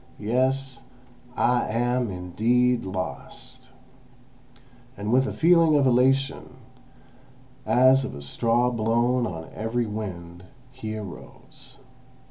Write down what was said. Yes, I am indeed lost!" And with a feeling of elation, as of a straw blown on every wind, he arose.